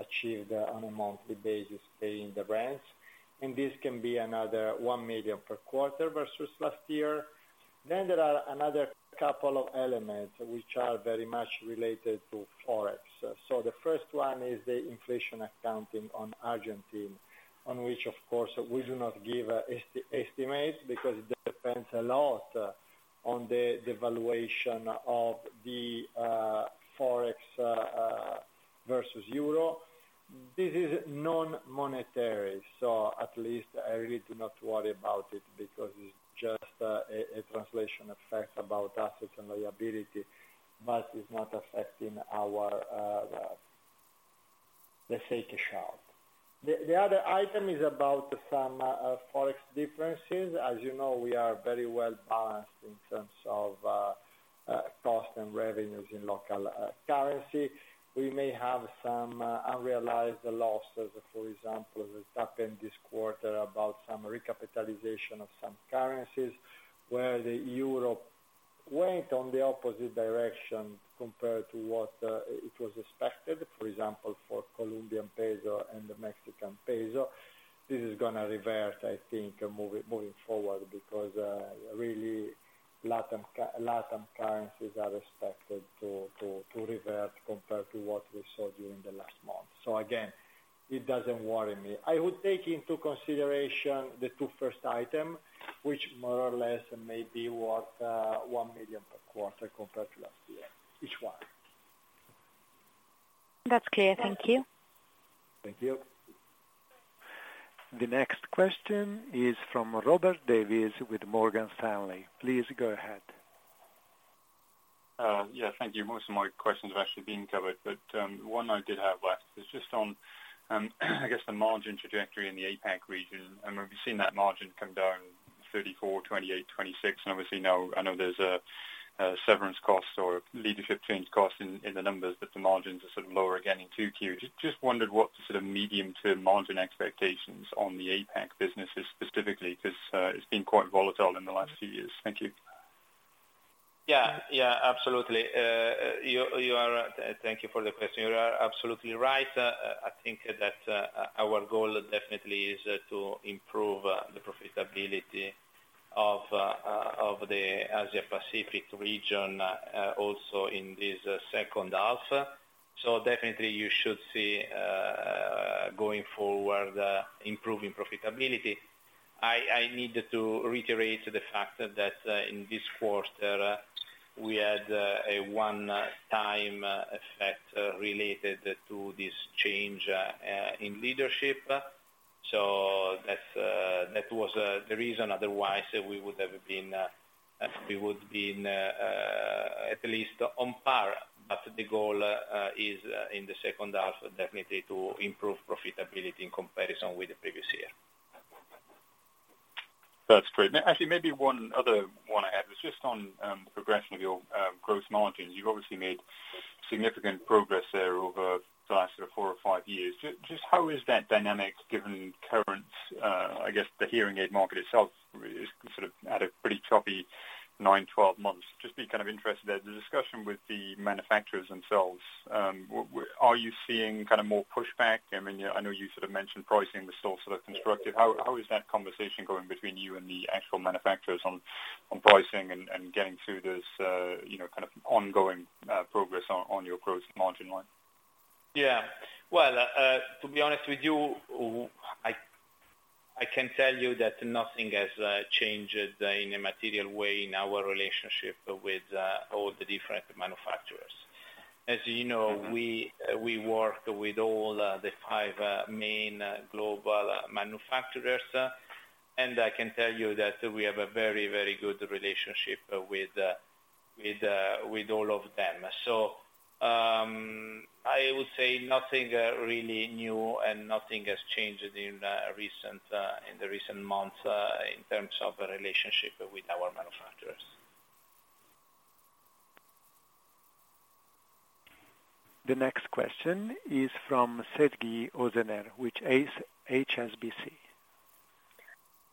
achieved on a monthly basis, paying the rents. This can be another 1 million per quarter versus last year. There are another couple of elements which are very much related to Forex. The first one is the inflation accounting on Argentine peso, on which of course, we do not give estimates, because it depends a lot on the valuation of the Forex versus Euro. This is non-monetary, so at least I really do not worry about it because it's just a translation effect about assets and liability, but it's not affecting our, let's say, cash out. The other item is about some Forex differences. As you know, we are very well balanced in terms of cost and revenues in local currency. We may have some unrealized losses, for example, that happened this quarter, about some recapitalization of some currencies, where the Euro went on the opposite direction compared to what it was expected. For example, for Colombian peso and the Mexican peso. This is gonna revert, I think, moving forward, because really, Latin currencies are expected to revert compared to what we saw during the last month. Again, it doesn't worry me. I would take into consideration the two first item, which more or less may be worth 1 million per quarter compared to last year. Each one. That's clear. Thank you. Thank you. The next question is from Robert Davies with Morgan Stanley. Please go ahead. Yeah, thank you. Most of my questions have actually been covered, but one I did have left is just on, I guess, the margin trajectory in the APAC region. We've seen that margin come down 34, 28, 26, and obviously now I know there's a severance cost or leadership change cost in the numbers, but the margins are sort of lower again in 2Q. Just wondered what the sort of medium-term margin expectations on the APAC business is specifically, because it's been quite volatile in the last few years. Thank you. You are. Thank you for the question. You are absolutely right. I think that our goal definitely is to improve the profitability of the Asia Pacific region also in this second half. Definitely you should see going forward improving profitability. I need to reiterate the fact that in this quarter we had a one-time effect related to this change in leadership. That's that was the reason. Otherwise, we would have been, we would been at least on par. The goal is in the second half, definitely to improve profitability in comparison with the previous year That's great. Actually, maybe one other one I had was just on the progression of your growth margins. You've obviously made significant progress there over the last sort of four or five years. Just how is that dynamic given current, I guess, the hearing aid market itself is sort of at a pretty choppy nine, 12 months? Just be kind of interested there. The discussion with the manufacturers themselves, are you seeing kind of more pushback? I mean, I know you sort of mentioned pricing was still sort of constructive. How is that conversation going between you and the actual manufacturers on pricing and getting through this, you know, kind of ongoing progress on your growth margin line? Yeah. Well, to be honest with you, I can tell you that nothing has changed in a material way in our relationship with all the different manufacturers. As you know, we work with all the five main global manufacturers. I can tell you that we have a very, very good relationship with all of them. I would say nothing really new, and nothing has changed in the recent months in terms of relationship with our manufacturers. The next question is from Sezgi Oezener, with HSBC.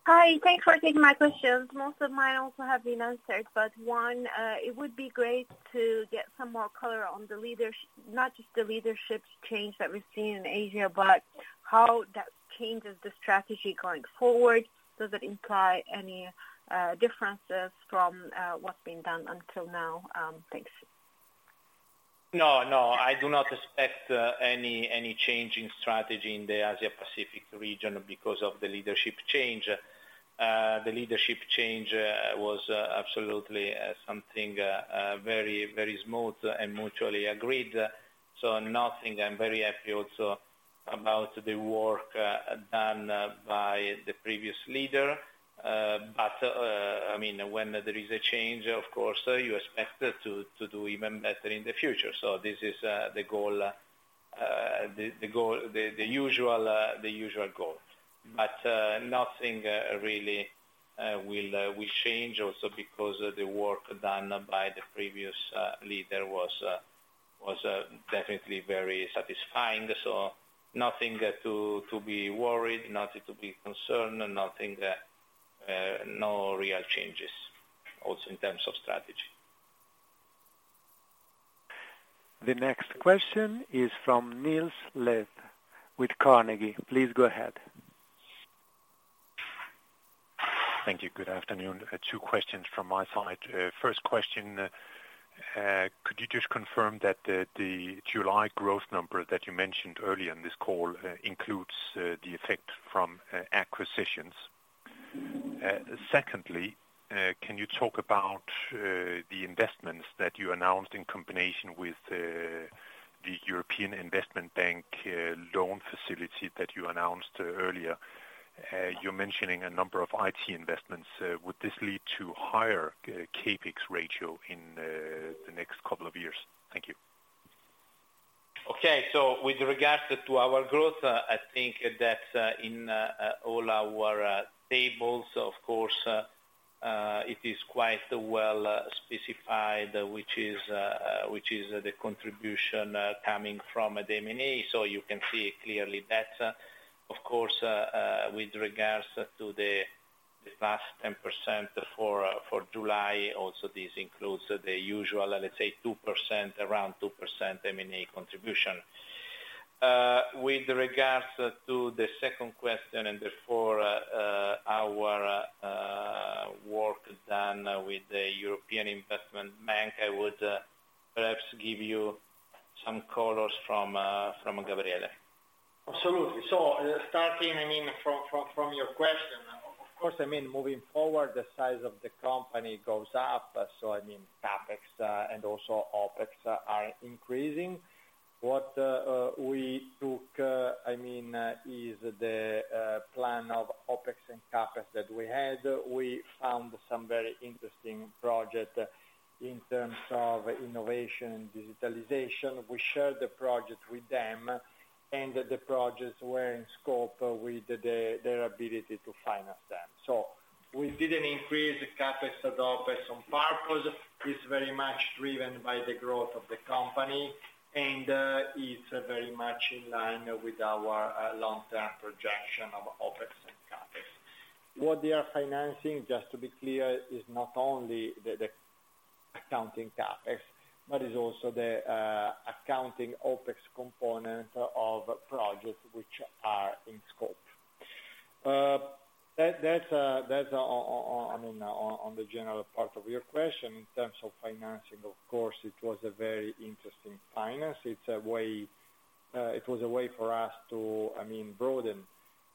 Hi, thanks for taking my questions. Most of mine also have been answered, but one, it would be great to get some more color on not just the leadership change that we've seen in Asia, but how that changes the strategy going forward. Does it imply any differences from what's been done until now? Thanks. No, no, I do not expect any change in strategy in the Asia Pacific region because of the leadership change. The leadership change was absolutely something very smooth and mutually agreed. Nothing, I'm very happy also about the work done by the previous leader. I mean, when there is a change, of course, you expect to do even better in the future. This is the goal, the usual goal. Nothing really will change also because of the work done by the previous leader was definitely very satisfying. Nothing to be worried, nothing to be concerned, and nothing, no real changes also in terms of strategy. The next question is from Niels Granholm-Leth with Carnegie. Please go ahead. Thank you. Good afternoon. two questions from my side. First question, could you just confirm that the July growth number that you mentioned earlier in this call, includes the effect from acquisitions? Secondly, can you talk about the investments that you announced in combination with the European Investment Bank loan facility that you announced earlier? You're mentioning a number of IT investments. Would this lead to higher CapEx ratio in the next couple of years? Thank you. Okay. With regards to our growth, I think that in all our tables, of course, it is quite well specified, which is the contribution coming from the M&A. You can see clearly that, of course, with regards to the, the last 10% for for July, also, this includes the usual, let's say, 2%, around 2% M&A contribution. With regards to the second question, and therefore, our work done with the European Investment Bank, I would perhaps give you some colors from Gabriele. Absolutely. Starting, I mean, from your question, of course, I mean, moving forward, the size of the company goes up. I mean, CapEx and also OpEx are increasing. What we took, I mean, is the plan of OpEx and CapEx that we had. We found some very interesting project in terms of innovation, digitalization. We shared the project with them, and the projects were in scope with their ability to finance them. We didn't increase the CapEx or OpEx on purpose. It's very much driven by the growth of the company, and it's very much in line with our long-term projection of OpEx and CapEx. What they are financing, just to be clear, is not only the accounting CapEx, but is also the accounting OpEx component of projects which are in scope. That's, I mean, on the general part of your question, in terms of financing, of course, it was a very interesting finance. It was a way for us to, I mean, broaden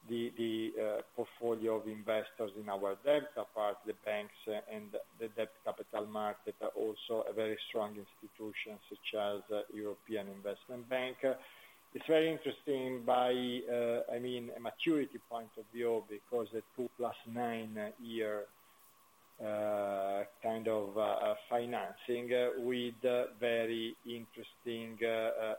the portfolio of investors in our debt apart, the banks and the debt capital market, but also a very strong institution such as European Investment Bank. It's very interesting by, I mean, a maturity point of view, because the two plus nine year kind of financing with very interesting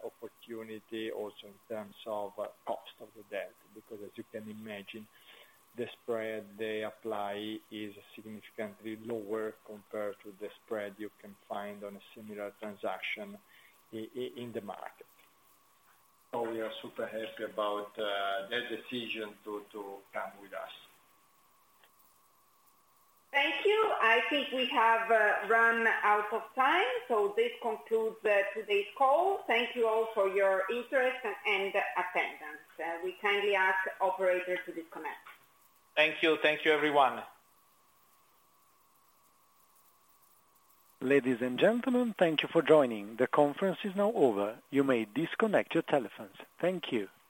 opportunity also in terms of cost of the debt, because as you can imagine, the spread they apply is significantly lower compared to the spread you can find on a similar transaction in the market. We are super happy about their decision to come with us. Thank you. I think we have run out of time, so this concludes today's call. Thank you all for your interest and attendance. We kindly ask operators to disconnect. Thank you. Thank you, everyone. Ladies and gentlemen, thank you for joining. The conference is now over. You may disconnect your telephones. Thank you.